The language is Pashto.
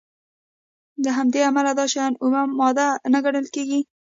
له همدې امله دا شیان اومه ماده نه ګڼل کیږي.